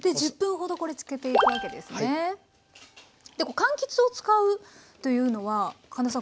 かんきつを使うというのは神田さん